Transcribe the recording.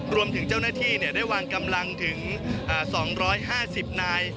รวมถึงเจ้าหน้าที่ได้วางกำลังถึง๒๕๐นาย